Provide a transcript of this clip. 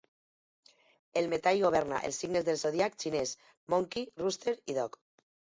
El metall governa els signes del zodíac xinès Monkey, Rooster i Dog.